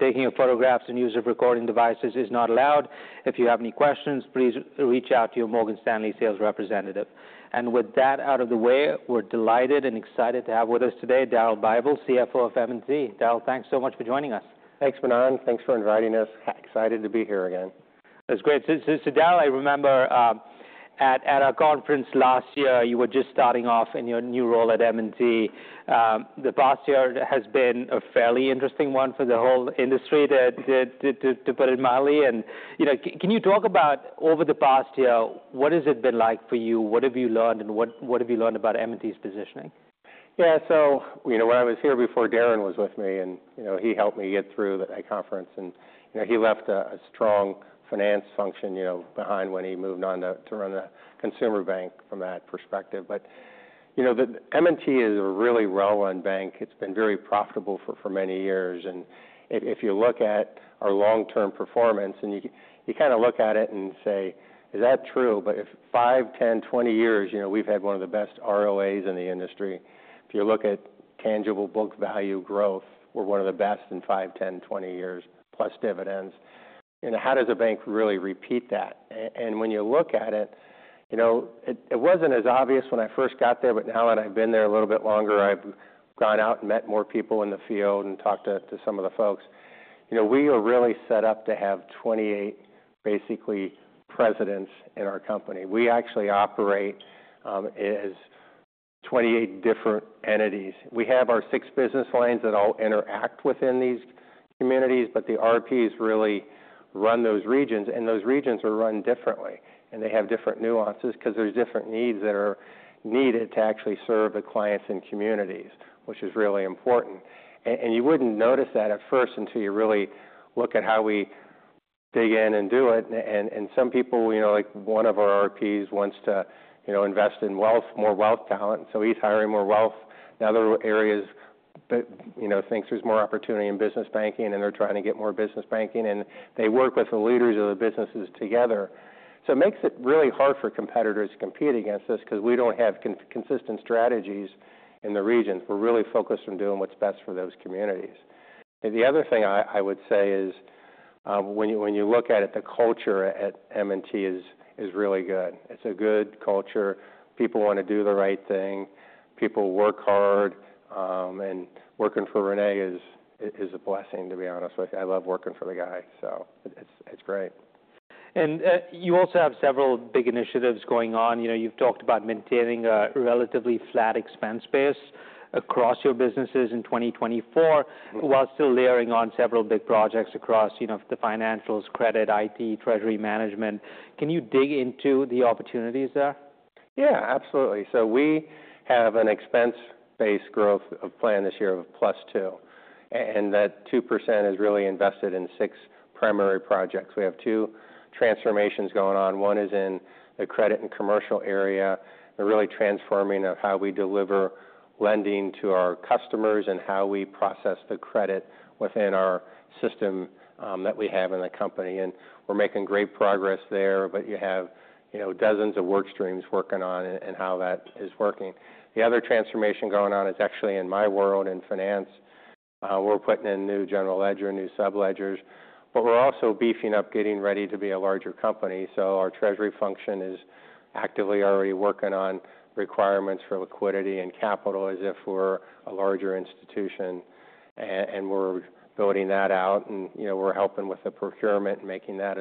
Taking of photographs and use of recording devices is not allowed. If you have any questions, please reach out to your Morgan Stanley sales representative. With that out of the way, we're delighted and excited to have with us today Daryl Bible, CFO of M&T. Daryl, thanks so much for joining us. Thanks, Manan. Thanks for inviting us. Excited to be here again. That's great. So, Daryl, I remember at our conference last year, you were just starting off in your new role at M&T. The past year has been a fairly interesting one for the whole industry, to put it mildly. And can you talk about over the past year, what has it been like for you? What have you learned, and what have you learned about M&T's positioning? Yeah. So, when I was here before, Darren was with me, and he helped me get through that conference. And he left a strong finance function behind when he moved on to run the consumer bank from that perspective. But M&T is a really well-run bank. It's been very profitable for many years. And if you look at our long-term performance, and you kind of look at it and say, "Is that true?" But if 5, 10, 20 years, we've had one of the best ROAs in the industry. If you look at tangible book value growth, we're one of the best in 5, 10, 20 years, plus dividends. How does a bank really repeat that? When you look at it, it wasn't as obvious when I first got there, but now that I've been there a little bit longer, I've gone out and met more people in the field and talked to some of the folks. We are really set up to have 28, basically, presidents in our company. We actually operate as 28 different entities. We have our 6 business lines that all interact within these communities, but the RPs really run those regions. Those regions are run differently, and they have different nuances because there's different needs that are needed to actually serve the clients and communities, which is really important. You wouldn't notice that at first until you really look at how we dig in and do it. Some people, like one of our RPs, wants to invest in more wealth talent, so he's hiring more wealth. The other area thinks there's more opportunity in business banking, and they're trying to get more business banking. They work with the leaders of the businesses together. It makes it really hard for competitors to compete against us because we don't have consistent strategies in the regions. We're really focused on doing what's best for those communities. The other thing I would say is, when you look at it, the culture at M&T is really good. It's a good culture. People want to do the right thing. People work hard. Working for René is a blessing, to be honest. I love working for the guy, so it's great. You also have several big initiatives going on. You've talked about maintaining a relatively flat expense base across your businesses in 2024, while still layering on several big projects across the financials, credit, IT, treasury management. Can you dig into the opportunities there? Yeah, absolutely. So we have an expense based growth plan this year of +2. And that 2% is really invested in six primary projects. We have two transformations going on. One is in the credit and commercial area, really transforming how we deliver lending to our customers and how we process the credit within our system that we have in the company. And we're making great progress there, but you have dozens of work streams working on and how that is working. The other transformation going on is actually in my world in finance. We're putting in new general ledger, new sub-ledgers. But we're also beefing up, getting ready to be a larger company. So our treasury function is actively already working on requirements for liquidity and capital as if we're a larger institution. We're building that out, and we're helping with the procurement and making that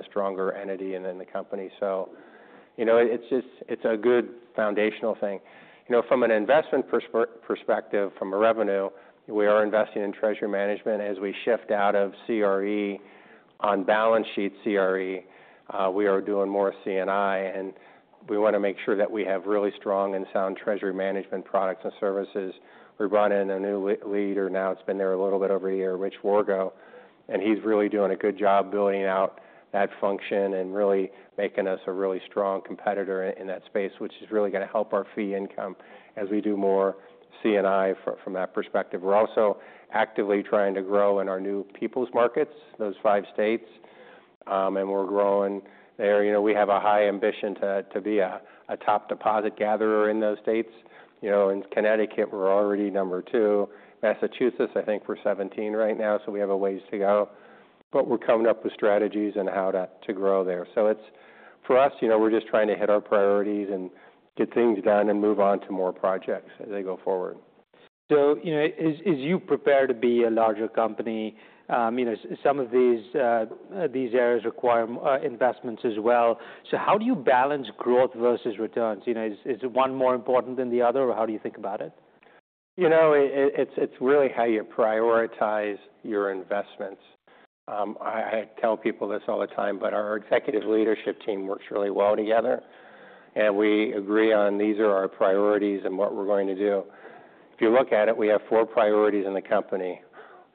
a stronger entity within the company. It's a good foundational thing. From an investment perspective, from a revenue, we are investing in treasury management. As we shift out of CRE, on balance sheet CRE, we are doing more C&I. We want to make sure that we have really strong and sound treasury management products and services. We brought in a new leader now. It's been there a little bit over a year, Rich Wargo. He's really doing a good job building out that function and really making us a really strong competitor in that space, which is really going to help our fee income as we do more C&I from that perspective. We're also actively trying to grow in our new People's markets, those five states. We're growing there. We have a high ambition to be a top deposit gatherer in those states. In Connecticut, we're already number two. Massachusetts, I think we're 17 right now, so we have a ways to go. But we're coming up with strategies on how to grow there. So for us, we're just trying to hit our priorities and get things done and move on to more projects as they go forward. As you prepare to be a larger company, some of these areas require investments as well. How do you balance growth versus returns? Is one more important than the other, or how do you think about it? It's really how you prioritize your investments. I tell people this all the time, but our executive leadership team works really well together. We agree on these are our priorities and what we're going to do. If you look at it, we have four priorities in the company.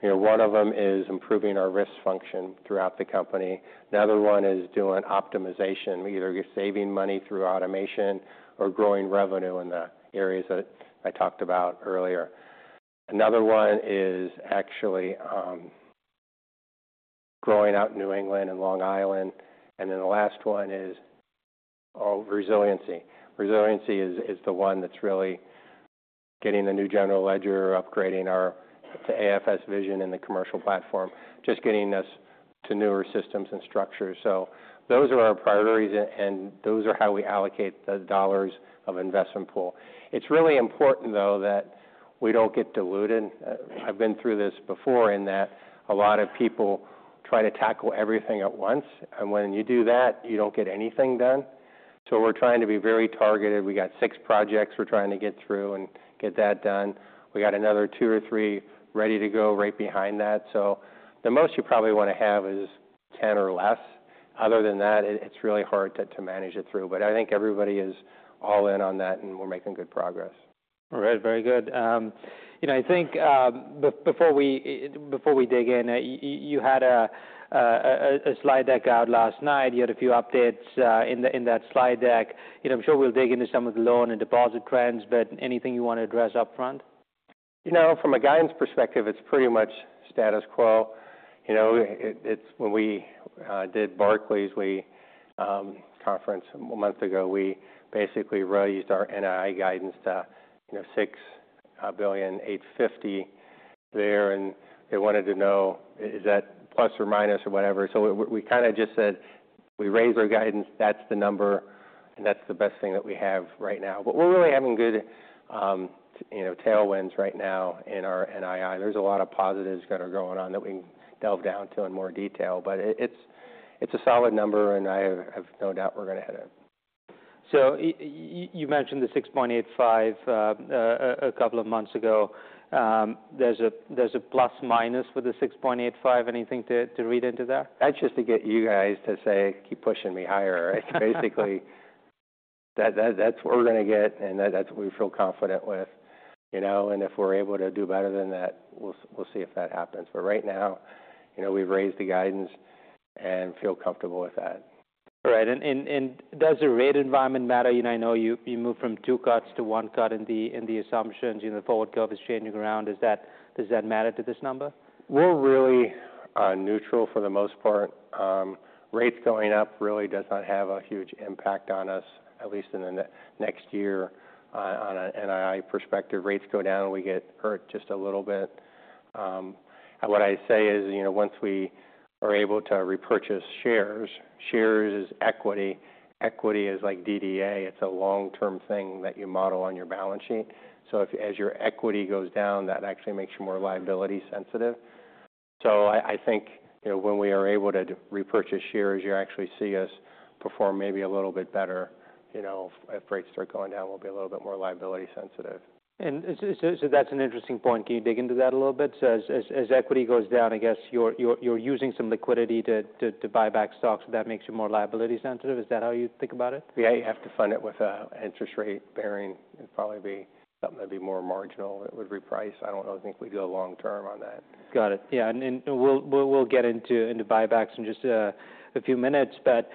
One of them is improving our risk function throughout the company. Another one is doing optimization, either saving money through automation or growing revenue in the areas that I talked about earlier. Another one is actually growing out in New England and Long Island. The last one is resiliency. Resiliency is the one that's really getting the new general ledger, upgrading our AFSVision in the commercial platform, just getting us to newer systems and structures. Those are our priorities, and those are how we allocate the dollars of investment pool. It's really important, though, that we don't get diluted. I've been through this before in that a lot of people try to tackle everything at once. When you do that, you don't get anything done. We're trying to be very targeted. We got 6 projects we're trying to get through and get that done. We got another 2 or 3 ready to go right behind that. The most you probably want to have is 10 or less. Other than that, it's really hard to manage it through. I think everybody is all in on that, and we're making good progress. All right. Very good. I think before we dig in, you had a slide deck out last night. You had a few updates in that slide deck. I'm sure we'll dig into some of the loan and deposit trends, but anything you want to address upfront? From a guidance perspective, it's pretty much status quo. When we did Barclays conference a month ago, we basically raised our NII guidance to $6.85 billion. They wanted to know, is that plus or minus or whatever? We kind of just said, we raised our guidance. That's the number, and that's the best thing that we have right now. We're really having good tailwinds right now in our NII. There's a lot of positives that are going on that we can delve down to in more detail. It's a solid number, and I have no doubt we're going to hit it. You mentioned the 6.85 a couple of months ago. There's a plus minus with the 6.85. Anything to read into that? That's just to get you guys to say, "Keep pushing me higher." Basically, that's what we're going to get, and that's what we feel confident with. And if we're able to do better than that, we'll see if that happens. But right now, we've raised the guidance and feel comfortable with that. All right. Does the rate environment matter? I know you moved from two cuts to one cut in the assumptions. The forward curve is changing around. Does that matter to this number? We're really neutral for the most part. Rates going up really does not have a huge impact on us, at least in the next year on an NII perspective. Rates go down, we get hurt just a little bit. What I say is, once we are able to repurchase shares, shares is equity. Equity is like DDA. It's a long-term thing that you model on your balance sheet. So as your equity goes down, that actually makes you more liability sensitive. So I think when we are able to repurchase shares, you actually see us perform maybe a little bit better. If rates start going down, we'll be a little bit more liability sensitive. That's an interesting point. Can you dig into that a little bit? As equity goes down, I guess you're using some liquidity to buy back stocks. That makes you more liability sensitive. Is that how you think about it? Yeah. You have to fund it with an interest-bearing. It'd probably be something that'd be more marginal that would reprice. I don't think we'd go long-term on that. Got it. Yeah. And we'll get into buybacks in just a few minutes. But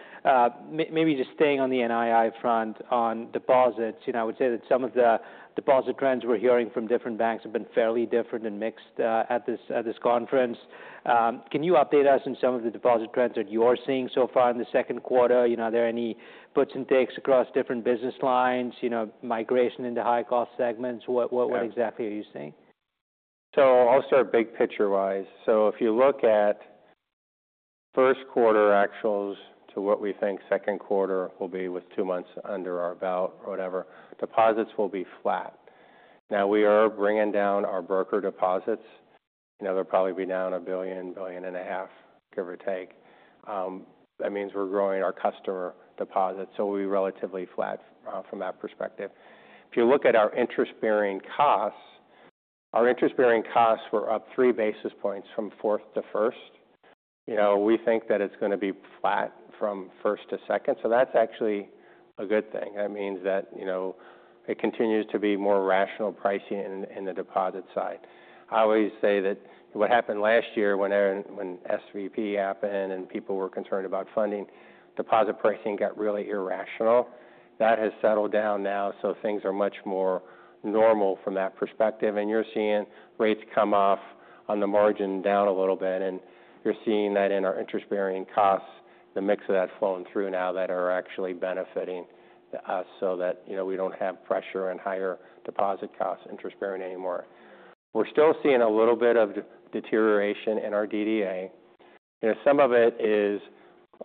maybe just staying on the NII front, on deposits, I would say that some of the deposit trends we're hearing from different banks have been fairly different and mixed at this conference. Can you update us on some of the deposit trends that you're seeing so far in the second quarter? Are there any puts and takes across different business lines, migration into high-cost segments? What exactly are you seeing? So I'll start big picture-wise. So if you look at first quarter actuals to what we think second quarter will be with two months under our belt or whatever, deposits will be flat. Now, we are bringing down our broker deposits. They'll probably be down $1 billion-$1.5 billion, give or take. That means we're growing our customer deposits. So we'll be relatively flat from that perspective. If you look at our interest-bearing costs, our interest-bearing costs were up three basis points from fourth to first. We think that it's going to be flat from first to second. So that's actually a good thing. That means that it continues to be more rational pricing in the deposit side. I always say that what happened last year when SVB happened and people were concerned about funding, deposit pricing got really irrational. That has settled down now, so things are much more normal from that perspective. You're seeing rates come off on the margin down a little bit. You're seeing that in our interest-bearing costs, the mix of that flowing through now that are actually benefiting us so that we don't have pressure on higher deposit costs interest-bearing anymore. We're still seeing a little bit of deterioration in our DDA. Some of it is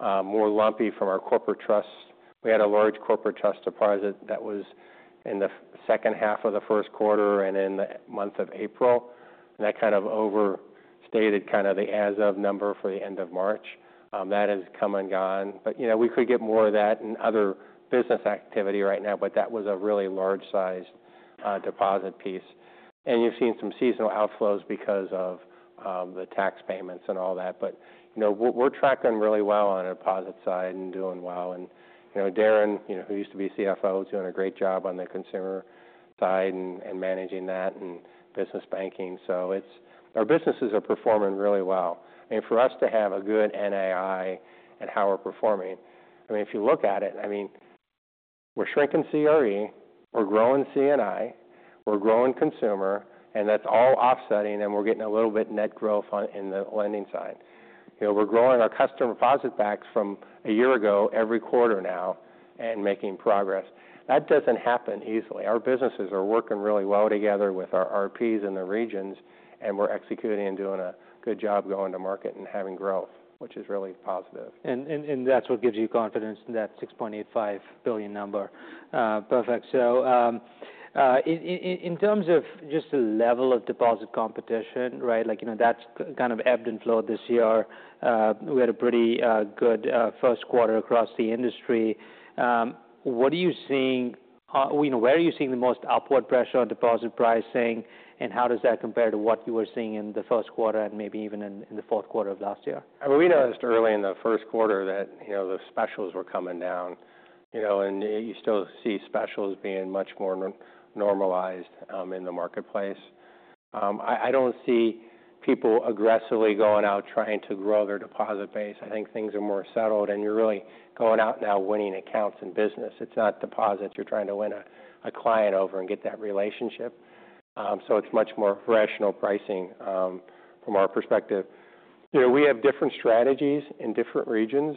more lumpy from our corporate trusts. We had a large corporate trust deposit that was in the second half of the first quarter and in the month of April. That kind of overstated kind of the as-of number for the end of March. That has come and gone. We could get more of that in other business activity right now, but that was a really large-sized deposit piece. You've seen some seasonal outflows because of the tax payments and all that. We're tracking really well on the deposit side and doing well. Darren, who used to be CFO, is doing a great job on the consumer side and managing that and business banking. Our businesses are performing really well. For us to have a good NII and how we're performing, if you look at it, we're shrinking CRE, we're growing C&I, we're growing consumer, and that's all offsetting, and we're getting a little bit net growth in the lending side. We're growing our customer deposit backs from a year ago every quarter now and making progress. That doesn't happen easily. Our businesses are working really well together with our RPs in the regions, and we're executing and doing a good job going to market and having growth, which is really positive. That's what gives you confidence in that $6.85 billion number. Perfect. In terms of just the level of deposit competition, that's kind of ebbed and flowed this year. We had a pretty good first quarter across the industry. What are you seeing? Where are you seeing the most upward pressure on deposit pricing, and how does that compare to what you were seeing in the first quarter and maybe even in the fourth quarter of last year? We noticed early in the first quarter that the specials were coming down. You still see specials being much more normalized in the marketplace. I don't see people aggressively going out trying to grow their deposit base. I think things are more settled, and you're really going out now winning accounts and business. It's not deposits. You're trying to win a client over and get that relationship. It's much more rational pricing from our perspective. We have different strategies in different regions.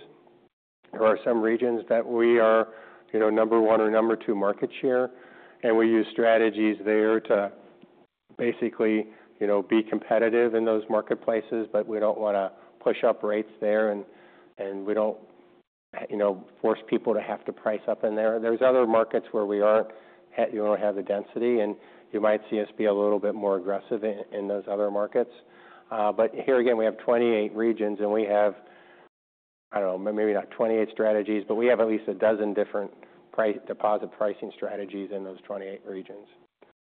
There are some regions that we are number one or number two market share. We use strategies there to basically be competitive in those marketplaces, but we don't want to push up rates there, and we don't force people to have to price up in there. There's other markets where we don't have the density, and you might see us be a little bit more aggressive in those other markets. But here again, we have 28 regions, and we have, I don't know, maybe not 28 strategies, but we have at least 12 different deposit pricing strategies in those 28 regions.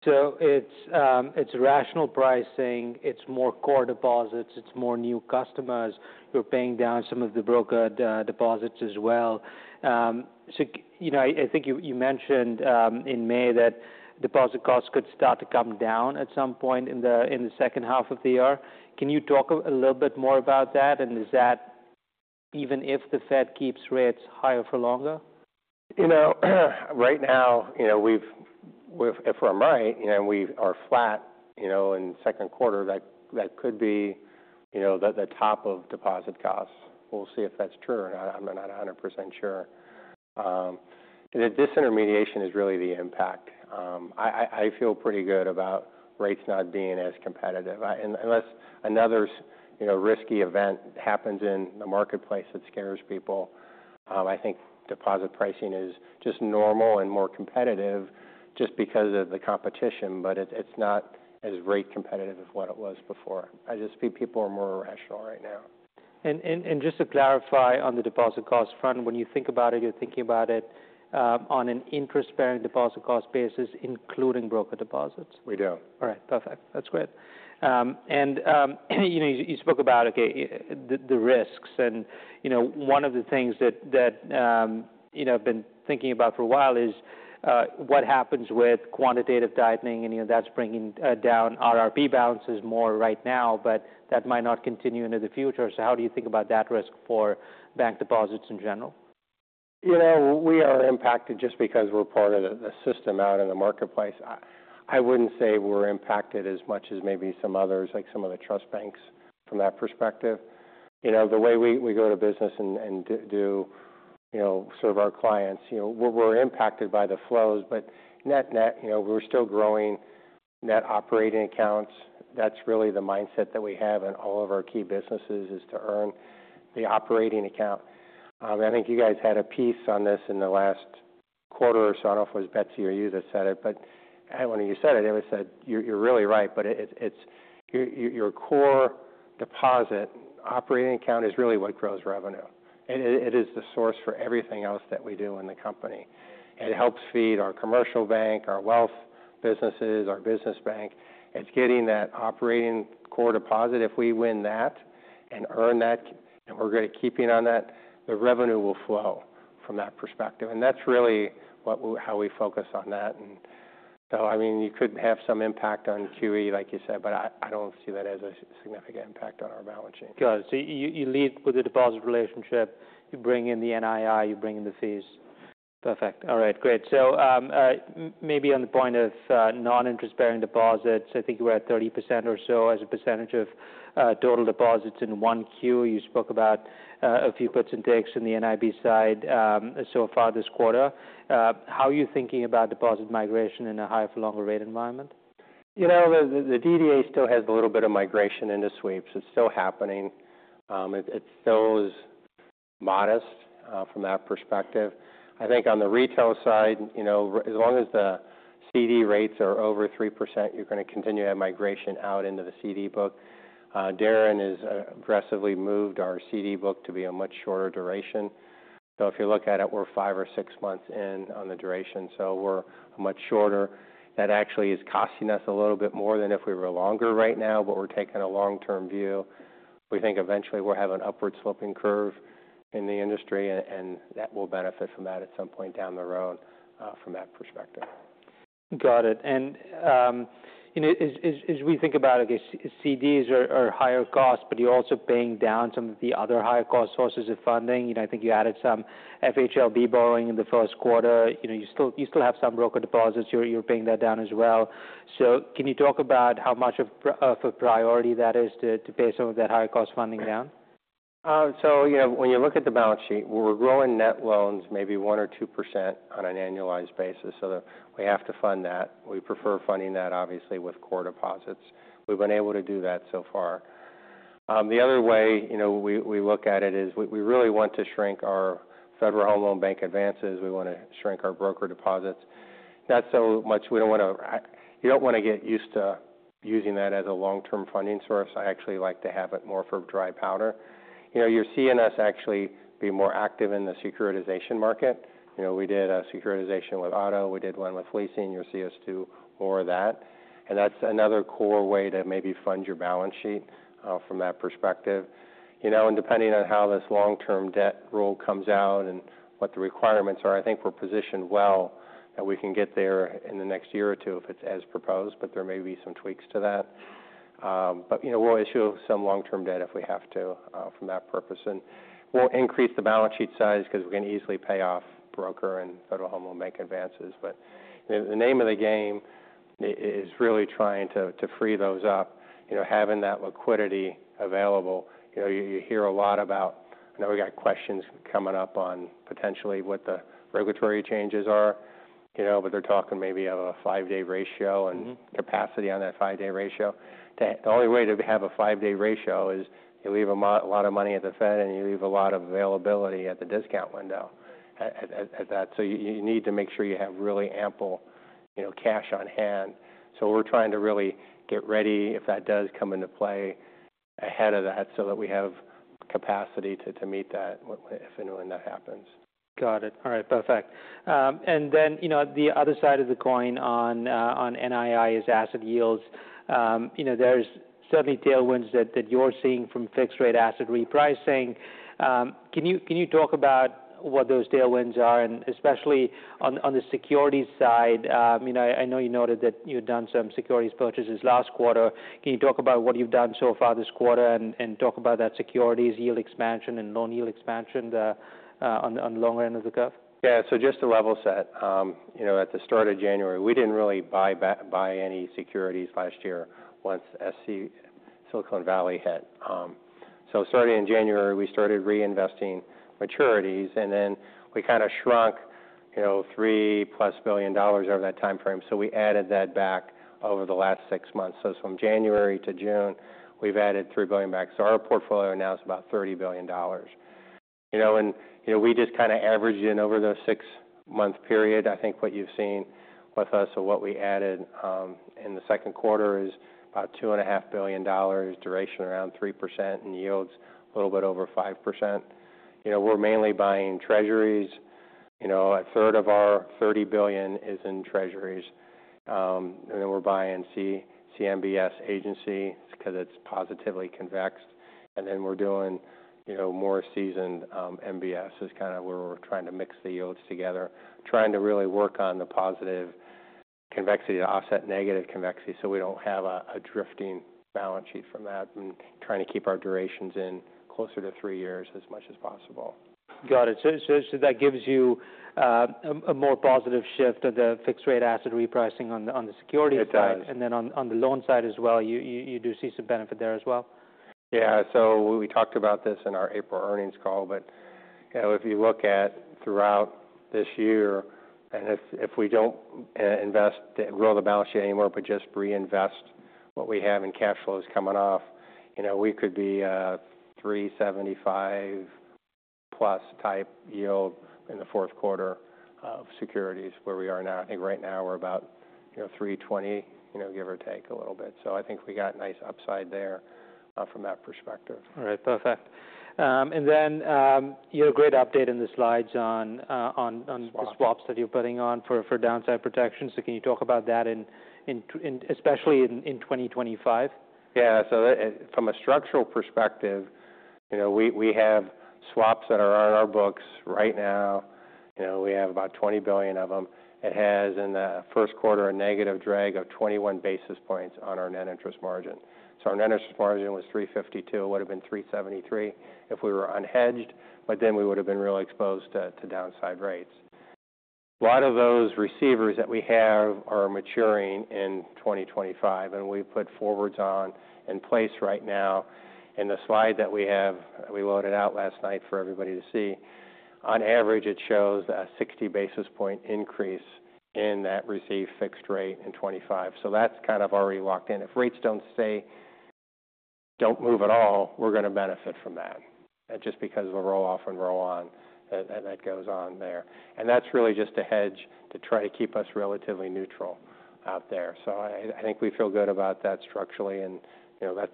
So it's rational pricing. It's more core deposits. It's more new customers. You're paying down some of the broker deposits as well. So I think you mentioned in May that deposit costs could start to come down at some point in the second half of the year. Can you talk a little bit more about that? And is that even if the Fed keeps rates higher for longer? Right now, if I'm right, we are flat in the second quarter. That could be the top of deposit costs. We'll see if that's true or not. I'm not 100% sure. This intermediation is really the impact. I feel pretty good about rates not being as competitive. Unless another risky event happens in the marketplace that scares people, I think deposit pricing is just normal and more competitive just because of the competition, but it's not as rate competitive as what it was before. I just think people are more rational right now. Just to clarify on the deposit cost front, when you think about it, you're thinking about it on an interest-bearing deposit cost basis, including broker deposits? We do. All right. Perfect. That's great. And you spoke about the risks. And one of the things that I've been thinking about for a while is what happens with quantitative tightening, and that's bringing down RRP balances more right now, but that might not continue into the future. So how do you think about that risk for bank deposits in general? We are impacted just because we're part of the system out in the marketplace. I wouldn't say we're impacted as much as maybe some others, like some of the trust banks, from that perspective. The way we go to business and serve our clients, we're impacted by the flows. But net-net, we're still growing net operating accounts. That's really the mindset that we have in all of our key businesses is to earn the operating account. I think you guys had a piece on this in the last quarter or so. I don't know if it was Betsy or you that said it, but when you said it, it was that you're really right. But your core deposit operating account is really what grows revenue. It is the source for everything else that we do in the company. It helps feed our commercial bank, our wealth businesses, our business bank. It's getting that operating core deposit. If we win that and earn that, and we're good at keeping on that, the revenue will flow from that perspective. That's really how we focus on that. So I mean, you could have some impact on QE, like you said, but I don't see that as a significant impact on our balance sheet. Got it. So you lead with the deposit relationship. You bring in the NII. You bring in the fees. Perfect. All right. Great. So maybe on the point of non-interest-bearing deposits, I think you were at 30% or so as a percentage of total deposits in one Q. You spoke about a few puts and takes in the NIB side so far this quarter. How are you thinking about deposit migration in a higher-for-longer rate environment? The DDA still has a little bit of migration into sweeps. It's still happening. It's still modest from that perspective. I think on the retail side, as long as the CD rates are over 3%, you're going to continue to have migration out into the CD book. Darren has aggressively moved our CD book to be a much shorter duration. So if you look at it, we're 5 or 6 months in on the duration. So we're much shorter. That actually is costing us a little bit more than if we were longer right now, but we're taking a long-term view. We think eventually we're having an upward-sloping curve in the industry, and that will benefit from that at some point down the road from that perspective. Got it. And as we think about it, CDs are higher cost, but you're also paying down some of the other higher-cost sources of funding. I think you added some FHLB borrowing in the first quarter. You still have some broker deposits. You're paying that down as well. So can you talk about how much of a priority that is to pay some of that higher-cost funding down? So when you look at the balance sheet, we're growing net loans maybe 1%-2% on an annualized basis. We have to fund that. We prefer funding that, obviously, with core deposits. We've been able to do that so far. The other way we look at it is we really want to shrink our Federal Home Loan Bank advances. We want to shrink our broker deposits. Not so much we don't want to get used to using that as a long-term funding source. I actually like to have it more for dry powder. You're seeing us actually be more active in the securitization market. We did a securitization with auto. We did one with leasing. You'll see us do more of that. That's another core way to maybe fund your balance sheet from that perspective. And depending on how this long-term debt rule comes out and what the requirements are, I think we're positioned well that we can get there in the next year or two if it's as proposed, but there may be some tweaks to that. But we'll issue some long-term debt if we have to from that purpose. And we'll increase the balance sheet size because we can easily pay off broker and Federal Home Loan Bank advances. But the name of the game is really trying to free those up, having that liquidity available. You hear a lot about we got questions coming up on potentially what the regulatory changes are, but they're talking maybe of a five-day ratio and capacity on that five-day ratio. The only way to have a five-day ratio is you leave a lot of money at the Fed and you leave a lot of availability at the discount window at that. So you need to make sure you have really ample cash on hand. So we're trying to really get ready if that does come into play ahead of that so that we have capacity to meet that if and when that happens. Got it. All right. Perfect. And then the other side of the coin on NII is asset yields. There's certainly tailwinds that you're seeing from fixed-rate asset repricing. Can you talk about what those tailwinds are? And especially on the securities side, I know you noted that you've done some securities purchases last quarter. Can you talk about what you've done so far this quarter and talk about that securities yield expansion and loan yield expansion on the longer end of the curve? Yeah. So just to level set, at the start of January, we didn't really buy any securities last year once Silicon Valley hit. So starting in January, we started reinvesting maturities, and then we kind of shrunk $3+ billion over that time frame. So we added that back over the last six months. So from January to June, we've added $3 billion back. So our portfolio now is about $30 billion. And we just kind of averaged in over the six-month period. I think what you've seen with us or what we added in the second quarter is about $2.5 billion, duration around 3%, and yields a little bit over 5%. We're mainly buying treasuries. A third of our $30 billion is in treasuries. And then we're buying CMBS agency because it's positively convexed. And then we're doing more seasoned MBS. It's kind of where we're trying to mix the yields together, trying to really work on the positive convexity to offset negative convexity so we don't have a drifting balance sheet from that, and trying to keep our durations in closer to three years as much as possible. Got it. So that gives you a more positive shift of the fixed-rate asset repricing on the securities side. And then on the loan side as well, you do see some benefit there as well? Yeah. So we talked about this in our April earnings call, but if you look at throughout this year, and if we don't grow the balance sheet anymore but just reinvest what we have in cash flows coming off, we could be a 3.75+ type yield in the fourth quarter of securities where we are now. I think right now we're about 3.20, give or take a little bit. So I think we got nice upside there from that perspective. All right. Perfect. And then you have a great update in the slides on the swaps that you're putting on for downside protection. So can you talk about that, especially in 2025? Yeah. So from a structural perspective, we have swaps that are on our books right now. We have about $20 billion of them. It has in the first quarter a negative drag of 21 basis points on our net interest margin. So our net interest margin was 3.52. It would have been 3.73 if we were unhedged, but then we would have been really exposed to downside rates. A lot of those receivers that we have are maturing in 2025, and we put forwards on in place right now. In the slide that we have, we loaded out last night for everybody to see, on average, it shows a 60 basis point increase in that received fixed rate in 2025. So that's kind of already locked in. If rates don't move at all, we're going to benefit from that just because of a roll-off and roll-on that goes on there. That's really just a hedge to try to keep us relatively neutral out there. So I think we feel good about that structurally, and I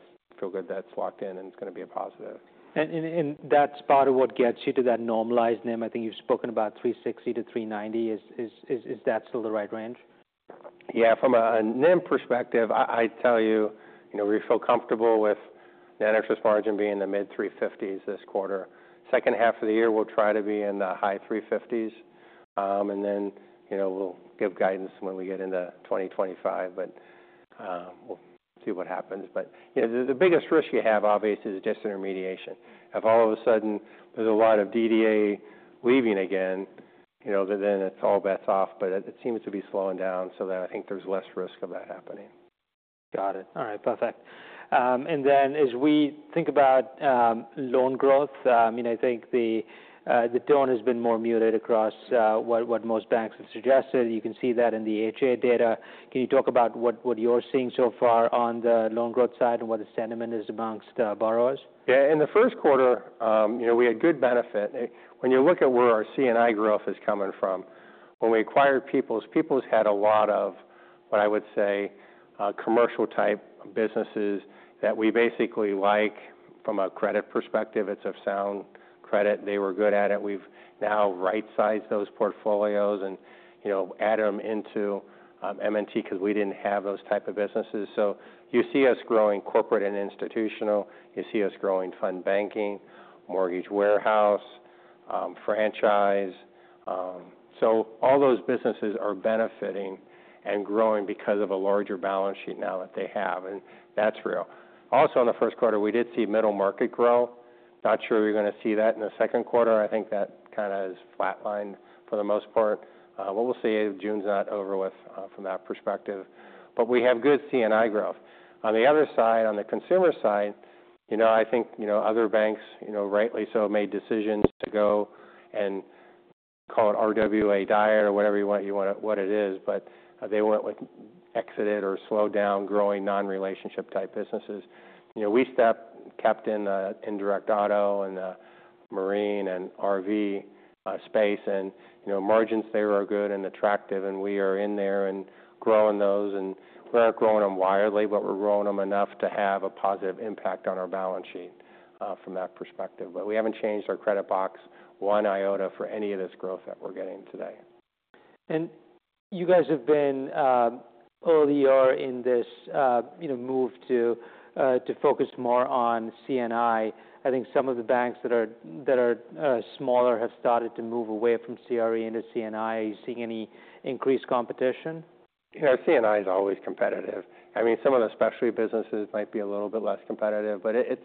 feel good that's locked in, and it's going to be a positive. That's part of what gets you to that normalized NIM. I think you've spoken about 3.60 to 3.90. Is that still the right range? Yeah. From a NIM perspective, I tell you, we feel comfortable with net interest margin being in the mid-3.50s this quarter. Second half of the year, we'll try to be in the high 3.50s. And then we'll give guidance when we get into 2025, but we'll see what happens. But the biggest risk you have, obviously, is just intermediation. If all of a sudden there's a lot of DDA leaving again, then it's all bets off, but it seems to be slowing down. So then I think there's less risk of that happening. Got it. All right. Perfect. And then as we think about loan growth, I think the tone has been more muted across what most banks have suggested. You can see that in the H.8 data. Can you talk about what you're seeing so far on the loan growth side and what the sentiment is amongst borrowers? Yeah. In the first quarter, we had good benefit. When you look at where our C&I growth is coming from, when we acquired People's, People's had a lot of, what I would say, commercial-type businesses that we basically like from a credit perspective. It's a sound credit. They were good at it. We've now right-sized those portfolios and added them into M&T because we didn't have those type of businesses. So you see us growing corporate and institutional. You see us growing fund banking, mortgage warehouse, franchise. So all those businesses are benefiting and growing because of a larger balance sheet now that they have. And that's real. Also, in the first quarter, we did see middle market grow. Not sure we're going to see that in the second quarter. I think that kind of is flatlined for the most part. What we'll see is June's not over with from that perspective. But we have good C&I growth. On the other side, on the consumer side, I think other banks rightly so made decisions to go and call it RWA diet or whatever you want it to be, what it is, but they went with exited or slowed down growing non-relationship type businesses. We kept in the indirect auto and the marine and RV space. And margins, they were good and attractive, and we are in there and growing those. And we're not growing them widely, but we're growing them enough to have a positive impact on our balance sheet from that perspective. But we haven't changed our credit box one iota for any of this growth that we're getting today. You guys have been earlier in this move to focus more on C&I. I think some of the banks that are smaller have started to move away from CRE into C&I. Are you seeing any increased competition? Yeah. C&I is always competitive. I mean, some of the specialty businesses might be a little bit less competitive, but it's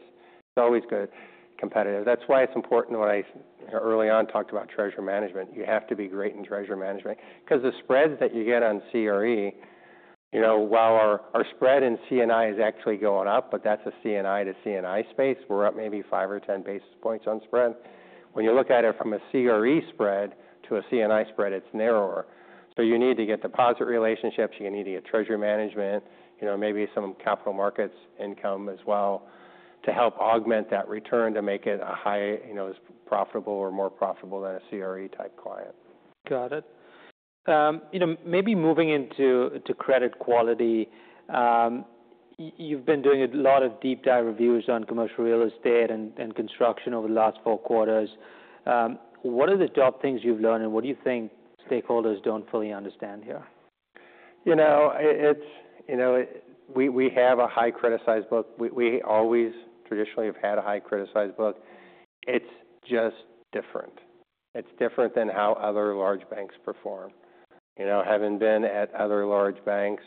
always good competitive. That's why it's important when I early on talked about treasury management. You have to be great in treasury management because the spreads that you get on CRE, while our spread in C&I is actually going up, but that's a C&I to C&I space. We're up maybe 5 or 10 basis points on spread. When you look at it from a CRE spread to a C&I spread, it's narrower. So you need to get deposit relationships. You need to get treasury management, maybe some capital markets income as well to help augment that return to make it as profitable or more profitable than a CRE-type client. Got it. Maybe moving into credit quality, you've been doing a lot of deep-dive reviews on commercial real estate and construction over the last four quarters. What are the top things you've learned, and what do you think stakeholders don't fully understand here? We have a highly criticized book. We always traditionally have had a highly criticized book. It's just different. It's different than how other large banks perform. Having been at other large banks,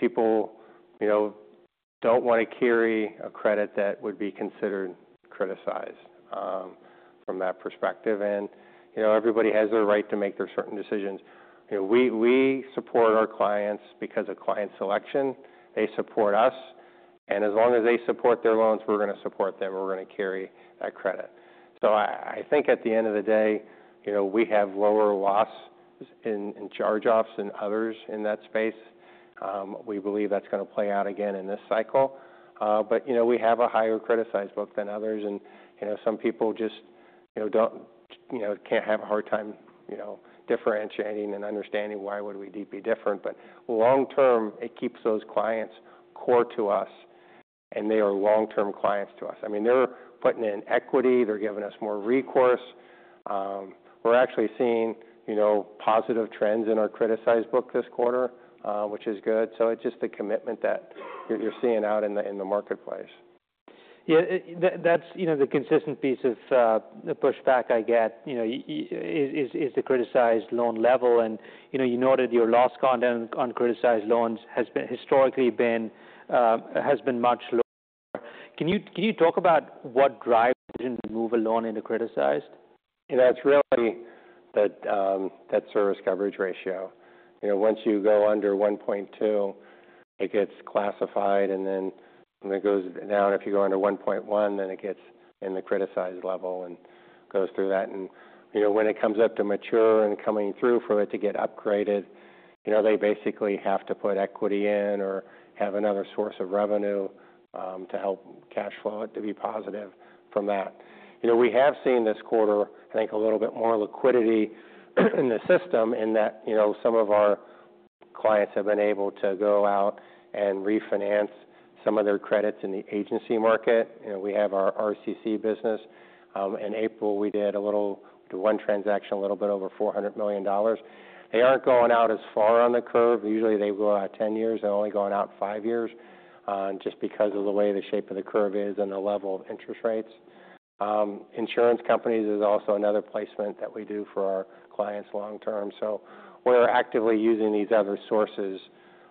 people don't want to carry a credit that would be considered criticized from that perspective. Everybody has their right to make their certain decisions. We support our clients because of client selection. They support us. As long as they support their loans, we're going to support them. We're going to carry that credit. I think at the end of the day, we have lower loss in charge-offs and others in that space. We believe that's going to play out again in this cycle. We have a more highly criticized book than others. Some people just can't have a hard time differentiating and understanding why we would be different? But long-term, it keeps those clients core to us, and they are long-term clients to us. I mean, they're putting in equity. They're giving us more recourse. We're actually seeing positive trends in our criticized book this quarter, which is good. So it's just the commitment that you're seeing out in the marketplace. Yeah. That's the consistent piece of pushback I get is the criticized loan level. You noted your loss content on criticized loans has historically been much lower. Can you talk about what drives you to move a loan into criticized? Yeah. It's really that service coverage ratio. Once you go under 1.2, it gets classified, and then it goes down. If you go under 1.1, then it gets in the criticized level and goes through that. And when it comes up to mature and coming through for it to get upgraded, they basically have to put equity in or have another source of revenue to help cash flow it to be positive from that. We have seen this quarter, I think, a little bit more liquidity in the system in that some of our clients have been able to go out and refinance some of their credits in the agency market. We have our RCC business. In April, we did a little one transaction, a little bit over $400 million. They aren't going out as far on the curve. Usually, they go out 10 years. They're only going out 5 years just because of the way the shape of the curve is and the level of interest rates. Insurance companies is also another placement that we do for our clients long-term. So we're actively using these other sources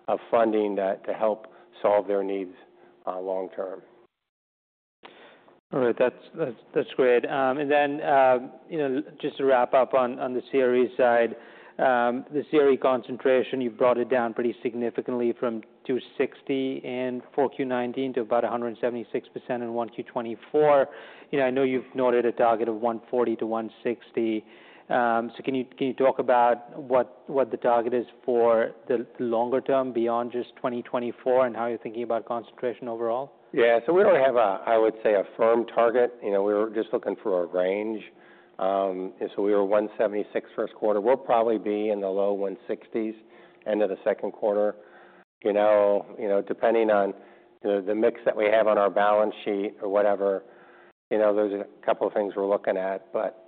of funding to help solve their needs long-term. All right. That's great. And then just to wrap up on the CRE side, the CRE concentration, you've brought it down pretty significantly from 260% in 4Q2019 to about 176% in 1Q2024. I know you've noted a target of 140%-160%. So can you talk about what the target is for the longer term beyond just 2024 and how you're thinking about concentration overall? Yeah. So we don't have, I would say, a firm target. We were just looking for a range. So we were 176 first quarter. We'll probably be in the low 160s end of the second quarter. Depending on the mix that we have on our balance sheet or whatever, there's a couple of things we're looking at. But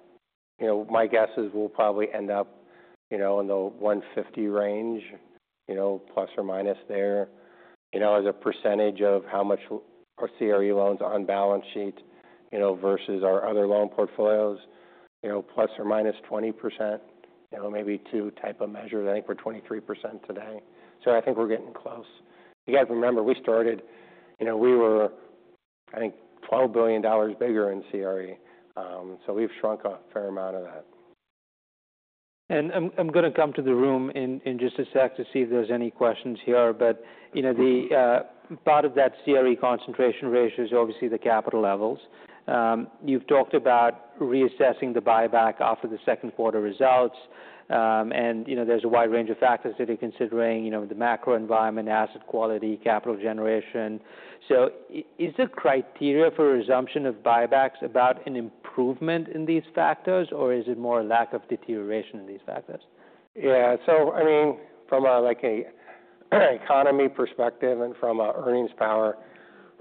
my guess is we'll probably end up in the 150 range plus or minus there as a percentage of how much CRE loans on balance sheet versus our other loan portfolios, ±20%, maybe 2 type of measures. I think we're 23% today. So I think we're getting close. You got to remember, we started, we were, I think, $12 billion bigger in CRE. So we've shrunk a fair amount of that. I'm going to come to the room in just a sec to see if there's any questions here. Part of that CRE concentration ratio is obviously the capital levels. You've talked about reassessing the buyback after the second quarter results. There's a wide range of factors that you're considering: the macro environment, asset quality, capital generation. Is the criteria for resumption of buybacks about an improvement in these factors, or is it more a lack of deterioration in these factors? Yeah. So I mean, from an economy perspective and from an earnings power,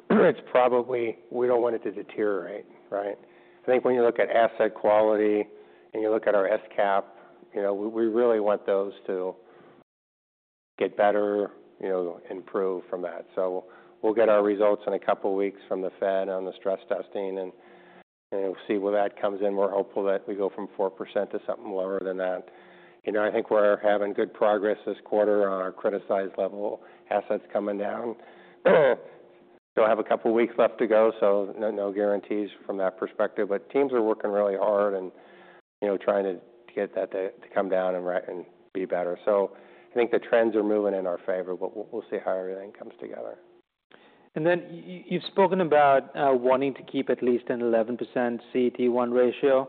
it's probably we don't want it to deteriorate, right? I think when you look at asset quality and you look at our SCAP, we really want those to get better, improve from that. So we'll get our results in a couple of weeks from the Fed on the stress testing, and we'll see where that comes in. We're hopeful that we go from 4% to something lower than that. I think we're having good progress this quarter on our criticized level assets coming down. Still have a couple of weeks left to go, so no guarantees from that perspective. But teams are working really hard and trying to get that to come down and be better. So I think the trends are moving in our favor, but we'll see how everything comes together. Then you've spoken about wanting to keep at least an 11% CET1 ratio.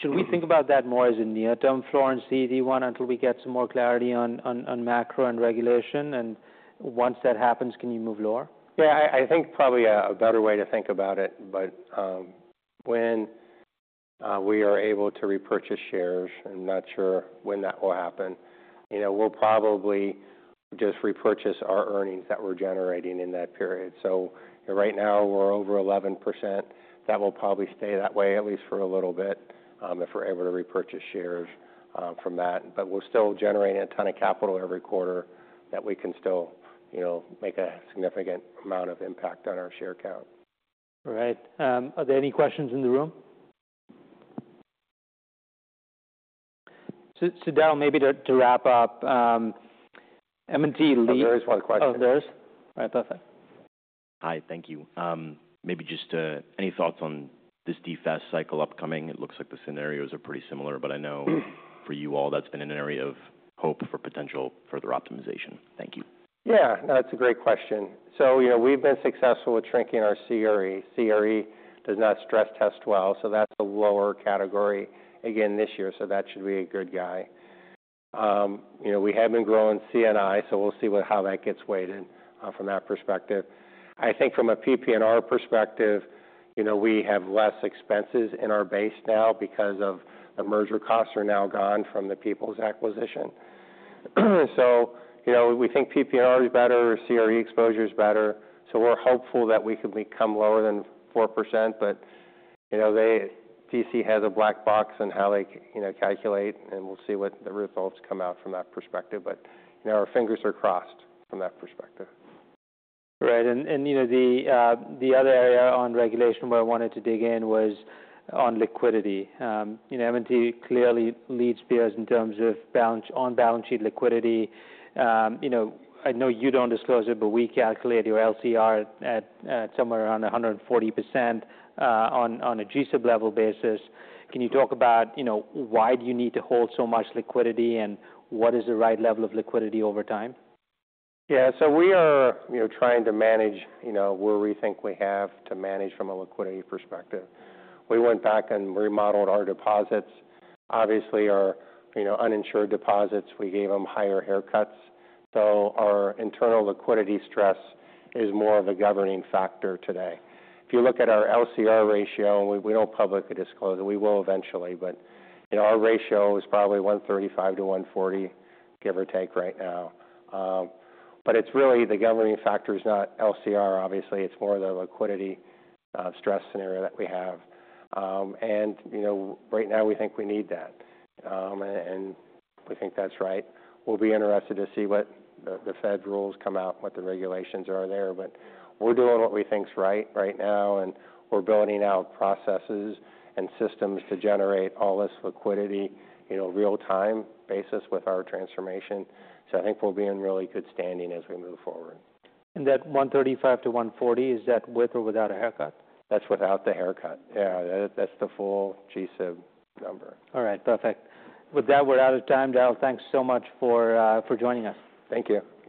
Should we think about that more as a near-term floor in CET1 until we get some more clarity on macro and regulation? Once that happens, can you move lower? Yeah. I think probably a better way to think about it. But when we are able to repurchase shares, I'm not sure when that will happen. We'll probably just repurchase our earnings that we're generating in that period. So right now, we're over 11%. That will probably stay that way at least for a little bit if we're able to repurchase shares from that. But we're still generating a ton of capital every quarter that we can still make a significant amount of impact on our share count. All right. Are there any questions in the room? Daryl, maybe to wrap up, M&T lead. Oh, there is one question. Oh, there is? All right. Perfect. Hi. Thank you. Maybe just any thoughts on this DFAST cycle upcoming? It looks like the scenarios are pretty similar, but I know for you all, that's been an area of hope for potential further optimization. Thank you. Yeah. That's a great question. So we've been successful with shrinking our CRE. CRE does not stress test well. So that's a lower category again this year. So that should be a good guy. We have been growing C&I, so we'll see how that gets weighted from that perspective. I think from a PP&R perspective, we have less expenses in our base now because the merger costs are now gone from the People's acquisition. So we think PP&R is better. CRE exposure is better. So we're hopeful that we could become lower than 4%. But DC has a black box on how they calculate, and we'll see what the results come out from that perspective. But our fingers are crossed from that perspective. All right. The other area on regulation where I wanted to dig in was on liquidity. M&T clearly leads peers in terms of on-balance sheet liquidity. I know you don't disclose it, but we calculate your LCR at somewhere around 140% on a GSIB level basis. Can you talk about why do you need to hold so much liquidity and what is the right level of liquidity over time? Yeah. So we are trying to manage where we think we have to manage from a liquidity perspective. We went back and remodeled our deposits. Obviously, our uninsured deposits, we gave them higher haircuts. So our internal liquidity stress is more of a governing factor today. If you look at our LCR ratio, we don't publicly disclose it. We will eventually. But our ratio is probably 135-140, give or take right now. But it's really the governing factor is not LCR, obviously. It's more the liquidity stress scenario that we have. And right now, we think we need that. And we think that's right. We'll be interested to see what the Fed rules come out, what the regulations are there. But we're doing what we think is right right now, and we're building out processes and systems to generate all this liquidity real-time basis with our transformation. I think we'll be in really good standing as we move forward. That $135-$140, is that with or without a haircut? That's without the haircut. Yeah. That's the full GSIB number. All right. Perfect. With that, we're out of time. Daryl, thanks so much for joining us. Thank you.